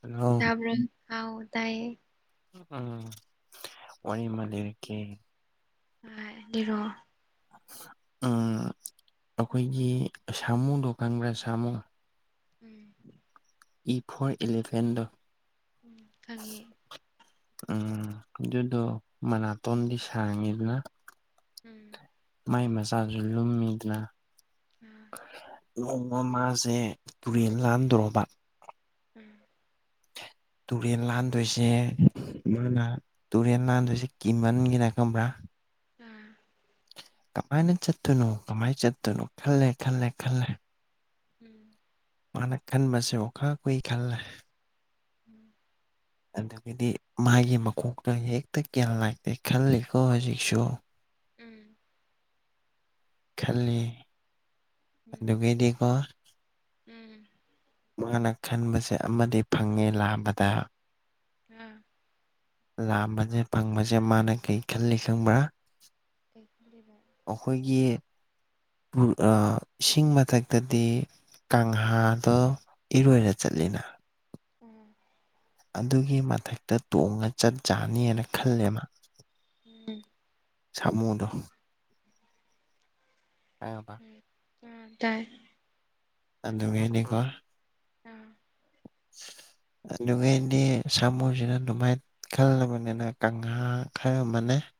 Hello ꯇꯥꯕꯔ ꯍꯥꯎ ꯇꯌꯦ ꯎꯝ ꯋꯥꯂꯤ ꯂꯩꯔꯀꯦ ꯍꯣꯏ ꯔꯤꯔꯛꯔꯣ ꯎꯥ ꯑꯩꯈꯣꯏꯒꯤ ꯁꯥꯃꯨꯗꯣ ꯈꯪꯕ꯭ꯔꯥ ꯁꯥꯃꯨꯗꯨ ꯎꯝ ꯈꯪꯏ ꯏ ꯐꯣꯔ ꯏꯂꯦꯚꯦꯟꯗꯑ ꯅꯤ ꯈꯪꯏ ꯎꯝ ꯑꯗꯨꯒꯤꯗꯨ ꯃꯅꯥꯇꯣꯝꯗꯤ ꯁꯥꯡꯉꯤꯗꯅ ꯎꯝ ꯀꯩꯗꯧꯔꯕ ꯃꯥꯒꯤ ꯃꯆꯥꯁꯨ ꯂꯨꯝꯃꯤꯗꯅ ꯎꯝ ꯀꯩꯗꯧꯔꯕ ꯑꯗꯨꯒꯥ ꯃꯥꯁꯩ ꯇꯨꯔꯦꯟ ꯂꯥꯟꯗ꯭ꯔꯣꯕ ꯎꯝ ꯃꯈꯥꯗꯤ ꯇꯨꯔꯦꯟ ꯂꯥꯟꯗꯣꯏꯁꯦ ꯌꯥꯝ ꯃꯥꯅꯥ ꯇꯨꯔꯦꯟ ꯂꯥꯟꯗꯁꯤ ꯀꯃꯟꯒꯤꯅ ꯈꯪꯕ꯭ꯔꯥ ꯎꯟ ꯀꯃꯥꯏꯅ ꯆꯠꯇꯣꯏꯅꯣꯗꯨ ꯀꯃꯥꯏꯅ ꯆꯠꯇꯣꯏꯅꯣ ꯈꯜꯂꯦ ꯈꯜꯂꯦ ꯈꯜꯂꯦ ꯑꯗꯨꯒꯥ ꯎꯝ ꯑꯗꯩꯗꯤ ꯃꯥꯅ ꯈꯟꯕꯁꯦ ꯑꯣꯈꯥꯛ ꯀꯨꯏꯅ ꯈꯜꯂꯦ ꯑꯗꯨꯒꯥ ꯎꯝ [inaudible] ꯑꯗꯨꯗꯒꯤꯗꯤ ꯃꯥꯒꯤ ꯃꯀꯣꯛꯇꯣ ꯍꯦꯛꯇ ꯀꯒ꯭ꯌꯥꯟ ꯂꯥꯏꯇꯦ ꯈꯜꯂꯤꯀꯣ ꯍꯧꯖꯤꯛꯁꯨ ꯃꯥ ꯎꯝ ꯎꯝ ꯈꯜꯂꯤ ꯑꯗꯨꯒꯗꯤ ꯀꯣ ꯃꯥꯅ ꯎꯝꯝꯝꯝ ꯃꯥꯅ ꯈꯟꯕꯁꯦ ꯑꯃꯗꯤ ꯐꯪꯉꯦ ꯂꯥꯥꯝꯕꯗ ꯃꯥꯅ ꯎ꯭ꯝꯝ ꯂꯥꯝꯕꯁꯦ ꯐꯪꯕꯁꯦ ꯃꯥꯅ ꯀꯩ ꯈꯜꯂꯤ ꯈꯪꯕ꯭ꯔꯥ ꯅꯪ ꯀꯩ ꯈꯜꯔꯤꯕ ꯑꯥ ꯏꯁꯤꯡ ꯃꯊꯛꯇꯗꯤ ꯀꯥꯡꯍꯥꯗꯣ ꯏꯔꯣꯏꯔꯒꯥ ꯆꯠꯂꯤꯅꯥ ꯎꯝ ꯃꯥꯗꯤ ꯑꯗꯨꯒꯤ ꯃꯊꯛꯇ ꯇꯣꯡꯉ ꯆꯠ ꯌꯥꯅꯤꯅ ꯈꯜꯂꯦ ꯃꯥꯅ ꯎꯝ꯫ ꯁꯥꯝꯃꯣꯗ ꯑꯗꯩ ꯈꯪꯉꯥꯕ ꯑꯝ ꯇꯥꯏ ꯑꯗꯨ ꯒꯗꯤꯀꯣ ꯑꯥ ꯑꯗꯒꯤ ꯗꯤ ꯁꯥꯃꯨꯁꯤꯖꯤ ꯑꯗꯨꯃꯥꯏ ꯈꯜꯂꯕꯅꯤꯅ ꯃꯥꯅ ꯀꯪꯂꯥ ꯈꯔ ꯑꯃꯅꯦ ꯀ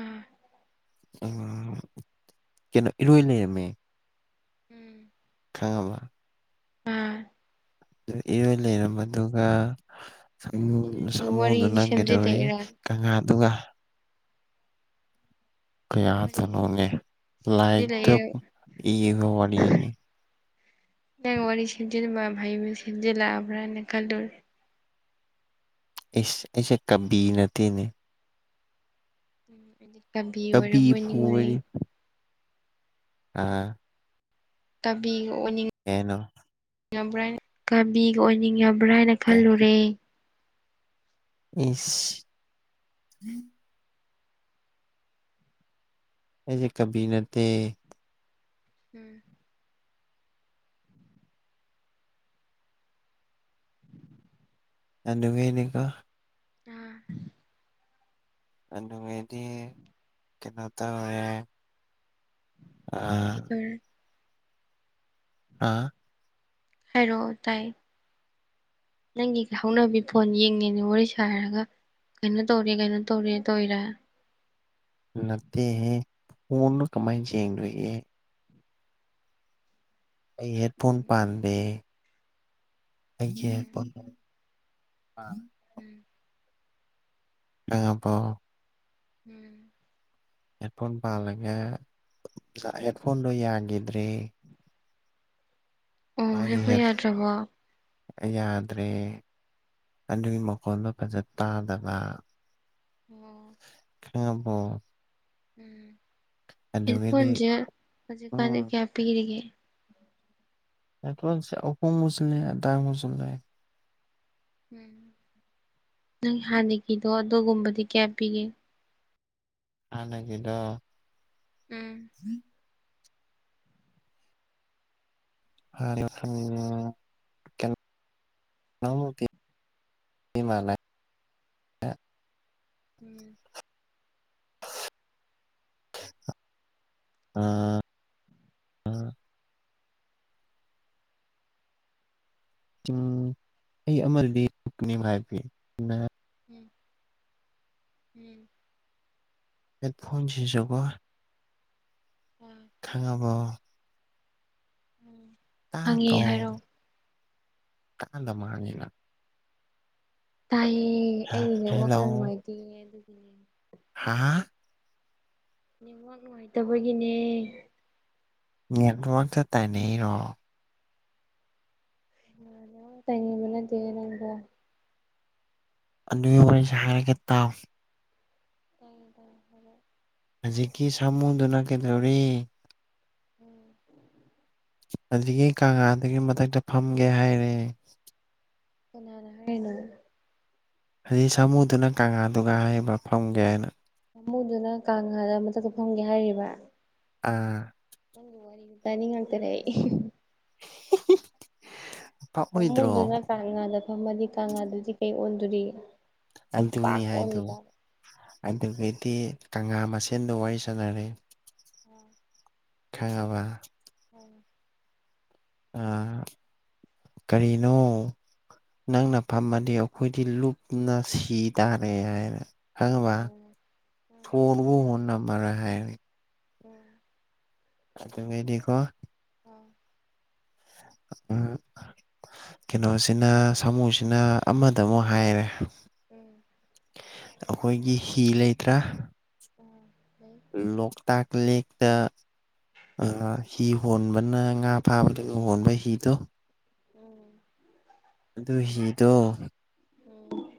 ꯑꯥ ꯑ ꯀꯩꯅꯣ ꯏꯔꯣꯏ ꯂꯩꯔꯝꯃꯦ ꯎꯝ ꯈꯥꯕ ꯑꯝ ꯑꯗꯨ ꯏꯔꯣꯏ ꯂꯩꯔꯝꯕꯗꯨꯒ ꯁꯤ ꯅꯪ ꯋꯥꯔꯤꯁꯦ ꯁꯥꯃꯨꯗꯨꯅ ꯀꯩꯗꯧꯔꯤ ꯁꯦꯝꯖꯤꯜꯂꯛꯏꯔꯥ ꯀꯪꯂꯥꯗꯨꯒ ꯋꯥꯔꯤ ꯀꯌꯥꯗ ꯅꯣꯅꯦ ꯁꯦꯝꯖꯤꯜꯂꯛꯑꯦ ꯂꯥꯏꯗ ꯏꯒ ꯋꯥꯔꯤꯅꯤ ꯅ ꯋꯥꯔꯤ ꯁꯤꯖꯔꯃ ꯐꯥꯏꯕꯨ ꯁꯤꯖꯂꯕ꯭ꯔ ꯀꯜꯂꯔ ꯑꯩꯁꯦ ꯀꯕꯤ ꯅꯠꯇꯦꯅꯦ ꯎꯝ ꯀꯕꯤ ꯀꯕꯤꯕꯨ ꯑꯣꯏꯔꯣꯕꯣꯏꯅꯤꯡ ꯑꯣꯏꯔꯦ ꯑꯣꯏꯔꯗꯤ ꯑꯥ ꯇꯕꯤ ꯑꯦꯅꯣ ꯕ꯭ꯔꯅ ꯀꯕꯤꯒ ꯑꯣꯏꯅꯤꯡꯕ꯭ꯔꯥ ꯍꯥꯏꯅ ꯀꯩ ꯈꯜꯂꯨꯔꯦ ꯏꯁ ꯑꯩꯁꯦ ꯀꯕꯤ ꯅꯠꯇꯦ ꯎꯝ ꯑꯅꯉꯦꯅꯤꯀ ꯑꯥ ꯑꯗꯨꯗꯤ ꯀꯩꯅꯣ ꯎꯝ ꯇꯧꯋꯔꯦ ꯑ ꯀꯩꯗꯧꯔꯦ ꯑꯥ ꯍꯥꯏꯔꯣ ꯇꯥꯏ ꯅꯪꯒꯤ ꯍꯧꯅꯕꯤ ꯐꯣꯟ ꯌꯦꯡꯉꯦꯅꯦ ꯋꯥꯔꯤ ꯁꯥꯔꯒ ꯀꯩꯅꯩꯅ ꯇꯧꯔꯤ ꯀꯩꯅꯩꯅ ꯇꯧꯔꯤ ꯇꯧꯔꯤꯔ ꯅꯠꯇ ꯍꯦ ꯄ ꯄꯨꯅ ꯀꯃꯥꯏ ꯆꯖꯦꯡꯅ ꯂꯩ ꯑꯩ ꯍꯦꯠ ꯐꯣꯟ ꯎꯝ ꯄꯥꯟꯗꯦ ꯑꯩ ꯎꯝ ꯑꯕꯣ ꯎꯝ ꯍꯦꯠꯐꯣꯟ ꯄꯥꯜꯂꯒ ꯍꯦꯠꯐꯣꯟꯗꯣ ꯌꯥꯈꯤꯗ꯭ꯔꯦ ꯑꯣ ꯃꯥꯒꯤ ꯍꯦꯛꯁꯨ ꯍꯦꯠ ꯌꯥꯗ꯭ꯔꯕꯣ ꯌꯥꯗ꯭ꯔꯦ ꯑꯗꯨꯒꯤ ꯃꯈꯣꯟꯗꯣ ꯐꯖ ꯇꯥꯗꯕ ꯑꯣꯝ ꯍꯕꯣ ꯎꯝ ꯍꯑꯦꯐꯣꯟꯖꯦ ꯍꯧꯖꯤꯀꯥꯟꯁꯦ ꯎꯝ ꯀꯌꯥ ꯄꯔꯤꯒꯦ [unintelligible] ꯎꯝ ꯅꯪ ꯍꯥꯟꯅꯒꯤꯗꯣ ꯑꯗꯨꯒꯨꯝꯕꯗꯤ ꯀꯌꯥ ꯄꯤꯒꯦ ꯑꯅꯥ ꯀꯦꯗꯣ ꯎꯝ ꯑ ꯀ [unintelligible] ꯃ ꯂꯩ [unintelligible] ꯎꯝ ꯑꯝ ꯎꯝ ꯑꯩ ꯑꯃꯗꯤꯀꯅꯤ ꯍꯥꯏꯕꯤ ꯑꯗꯨ ꯎꯝ ꯎꯝ ꯍꯦꯠ ꯐꯣꯟꯁꯤꯖꯀꯣ ꯑꯕꯣ ꯎꯝ ꯈꯪꯉꯦ ꯇꯔꯕ꯭ꯔꯣ ꯍꯥꯏꯔꯛꯑꯣ ꯀꯥꯟꯗ ꯃꯥꯅꯤꯅ ꯇꯥꯏꯌꯦ ꯑꯩꯒꯤꯅꯦ ꯋꯥ ꯈꯔ ꯍꯦꯜꯂꯣ ꯅꯨꯡꯉꯥꯏꯇꯦ ꯑꯗꯨꯒꯤꯅꯦ ꯍꯥ ꯅꯤꯋꯥꯛ ꯅꯨꯡꯉꯥꯏꯇꯕꯒꯤꯅꯦ ꯌꯦꯃꯥꯡꯁꯨ ꯇꯥꯏꯅꯦꯔꯣ ꯑ ꯇꯩꯅ ꯃꯟꯅ ꯊꯅꯒ [unintelligible] ꯑꯅꯤ [unintelligible] ꯎꯗ ꯍꯔ ꯍꯧꯖꯤꯛꯀꯤ ꯁꯥꯃꯨꯗꯨꯅ ꯀꯩꯗꯧꯔꯤ ꯎꯝ ꯑꯗꯨꯗꯒꯤ ꯀꯪꯂꯥꯗꯨꯒꯤ ꯃꯊꯛꯇ ꯐꯝꯒꯦ ꯍꯥꯏꯔꯦ ꯅꯅ ꯍꯥꯏꯅ ꯑꯁꯤ ꯁꯥꯃꯨꯗꯨꯅ ꯀꯪꯂꯥꯗꯨꯒ ꯍꯥꯏꯕ ꯐꯪꯒꯦ ꯍꯥꯏꯅ ꯑꯃꯃꯨꯗꯨꯅ ꯀꯥꯡꯥꯗ ꯃꯊꯛꯇ ꯐꯪꯒꯦ ꯍꯥꯏꯔꯤꯕ ꯑꯥ ꯀꯅꯤꯇ ꯅꯤꯡ ꯉ ꯀꯔꯏ [unintelligible] ꯐꯃꯨꯗꯨꯅ ꯀꯥꯡ ꯉꯥꯗ ꯐꯝꯃꯗꯤ ꯀꯥꯡ ꯉꯥꯗꯨꯗꯤ ꯀꯩ ꯑꯣꯟꯗꯣꯔꯤ ꯑꯇꯅꯤ ꯑꯄꯥꯛꯄ ꯍꯥꯏꯗ ꯑꯣꯟꯒꯤ ꯇꯥꯔꯦ ꯑꯗꯨꯗꯒꯤꯗꯤ ꯀꯪꯂꯥ ꯃꯁꯦꯟꯗ ꯋꯥꯔꯤ ꯁꯥꯟꯅꯔꯦ ꯎꯝ ꯈꯕ ꯎꯝ ꯑ ꯀꯔꯤꯅꯣ ꯅꯪꯅ ꯐꯝꯃꯗꯤ ꯑꯩꯈꯣꯏꯗꯤ ꯂꯨꯞꯅ ꯁꯤ ꯇꯥꯔꯦ ꯍꯥꯏꯔꯦ ꯈꯪꯕ ꯎꯝ ꯎꯝ ꯎꯝ ꯎꯝ ꯊꯠꯕꯨ ꯍꯅ ꯅ ꯃꯔꯅ ꯍꯥꯏꯅꯤ ꯎꯝ ꯑꯗꯨ ꯃꯩꯗꯤꯀꯣ ꯎꯝ ꯑꯝ ꯀꯩꯅꯣꯁꯤꯅ ꯁꯥꯃꯨꯁꯤꯅ ꯑꯃꯗ ꯑꯃꯨꯛ ꯍꯥꯏꯔꯦ ꯑꯩꯈꯣꯏꯒꯤ ꯍꯤ ꯂꯩꯇ꯭ꯔꯥ ꯎꯝ ꯂꯣꯛꯇꯥꯛ ꯂꯇ ꯍꯤ ꯍꯣꯟꯕꯅ ꯉꯥ ꯐꯥꯕꯗ ꯍꯣꯟꯕ ꯍꯤꯗꯣ ꯎꯝ ꯑꯗꯨ ꯍꯤꯗꯣ ꯎꯝ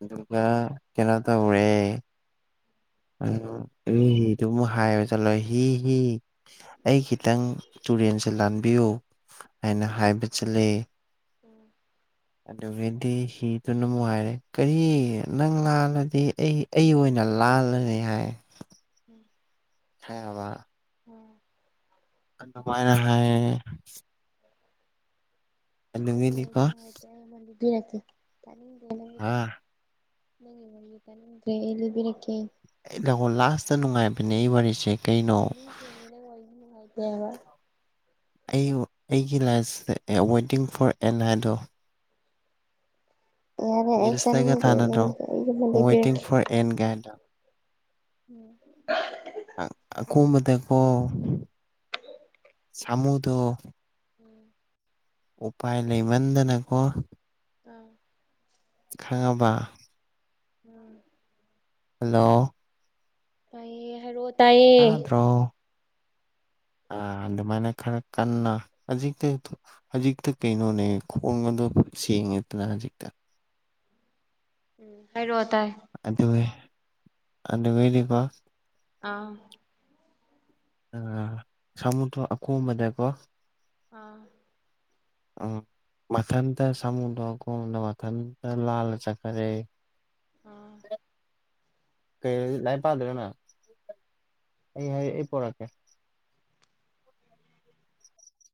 ꯑꯗꯨꯒꯗꯨꯔꯒꯥ ꯀꯩꯅꯇ ꯎꯔꯦ ꯏ ꯍꯤꯗꯨ ꯑꯃꯨꯛ ꯍꯥꯏꯌꯨ ꯆꯠꯂꯣ ꯍꯤ ꯍꯤ ꯑꯩ ꯈꯤꯇꯪ ꯇꯨꯔꯦꯟꯁꯦ ꯂꯥꯟꯕꯤꯌꯨ ꯍꯥꯏꯅ ꯎꯝ ꯍꯥꯏꯕꯁꯨ ꯂꯩ ꯎꯝ ꯑꯗꯨꯒꯤ ꯍꯤꯗꯨꯅꯅꯨꯡꯉꯥꯏꯔꯦ ꯀꯔꯤ ꯅꯪ ꯂꯥꯜꯂꯗꯤ ꯑꯩ ꯑꯩ ꯑꯣꯏꯅ ꯂꯥꯜꯂ ꯂꯩ ꯍꯥꯏꯥꯏ ꯎꯝ ꯍ ꯎꯝ ꯗꯃꯥꯏꯅ ꯍꯥꯏ ꯅꯪ ꯋꯥꯅꯨꯡꯉꯥꯏꯦ ꯃꯤꯔꯛꯇꯦ ꯑꯥ ꯪꯪ ꯇꯅꯤꯗ꯭ꯔꯦ ꯏꯂꯕꯤꯔꯛꯀꯦ ꯑꯦ ꯂꯣ ꯂꯥꯁꯇ ꯅꯨꯡꯉꯥꯏ ꯄꯅꯦ ꯏ ꯋꯥꯔꯤ ꯆ ꯑ ꯆꯦꯃꯤꯣꯏꯅꯨꯡꯉꯥꯏꯇꯦꯕ ꯑꯩ ꯑꯩꯒꯤ ꯂꯥꯏꯐꯁꯤꯗ ꯋꯦꯇꯤꯡ ꯐꯣꯔ ꯑꯦꯅꯥꯗꯣ ꯌꯥꯔꯦ ꯑꯩ ꯔꯤꯜꯁꯇꯒ ꯇꯥꯅꯤꯡꯗꯦ ꯊꯅꯗꯣ ꯅꯪꯒꯤꯗꯣ ꯑꯩ ꯑꯃ ꯋꯦꯇ ꯂꯤꯕꯤꯔꯛꯀꯦ ꯐꯣꯔ ꯑꯦꯟꯒꯥꯏꯗ ꯎꯝ ꯑ ꯀꯨꯝꯕꯇꯦꯀꯣ ꯁꯃꯨꯗ ꯎꯝ ꯎꯄꯥꯏ ꯂꯩꯃꯟꯗꯅꯀꯣ ꯑꯥ ꯈꯪꯉꯕ ꯎꯝ ꯍꯜꯂꯣ ꯄꯥꯏ ꯍ ꯔꯣ ꯑꯗ꯭ꯔꯣ ꯑ ꯑꯗꯨꯃꯥꯏꯅ ꯈꯔ ꯀꯟꯅ ꯍꯧꯖꯤꯛꯇ ꯍꯧꯖꯤꯛꯇ ꯀꯩꯅꯣꯅꯦ ꯈꯣꯡꯒꯗ ꯁꯤꯛꯇꯦ ꯎꯝ ꯎꯝ ꯍꯥꯏꯔ ꯇꯥꯏ ꯑꯗ ꯃꯗꯤꯄꯥ ꯑꯥ ꯑ ꯁꯥꯃꯨꯗꯣ ꯑꯀꯣꯝꯕꯗꯀꯣ ꯑꯥ ꯎꯝ ꯃꯊꯟꯇ ꯁꯥꯃꯨꯗꯣꯀꯣꯡꯗ ꯃꯊꯟꯇ ꯂꯥꯜꯂ ꯆꯠꯈꯔꯦ ꯑꯥ [inaudible] ꯀ ꯂꯥꯏ ꯄꯥꯗ꯭ꯣꯏꯔ‌ꯣ ꯅꯪ ꯑꯩ ꯍꯥꯏ ꯑꯩ ꯄꯣꯔꯛꯀꯦ